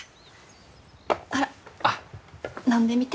ほら飲んでみて。